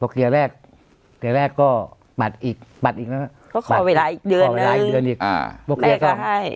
เดี๋ยวแรกก็ปัดอีกปัดอีกแล้วเขาขอเวลาอีกเดือนหนึ่งค่ะ